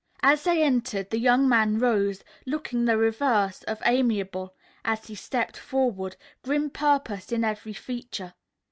As they entered, the young man rose, looking the reverse of amiable as he stepped forward, grim purpose in every feature.